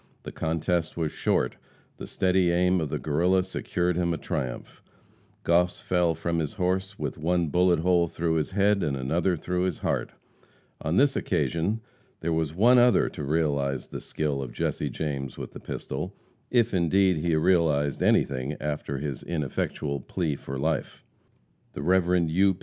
The contest was short; the steady aim of the Guerrilla secured him a triumph. Goss fell from his horse with one bullet hole through his head and another through his heart. On this occasion there was one other to realize the skill of Jesse James with the pistol, if indeed he realized anything after his ineffectual plea for life. The Rev. U.